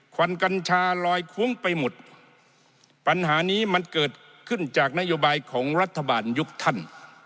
วันกัญชาลอยคุ้งไปหมดปัญหานี้มันเกิดขึ้นจากนโยบายของรัฐบาลยุคท่าน